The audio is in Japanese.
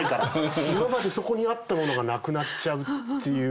今までそこにあったものがなくなっちゃうっていう。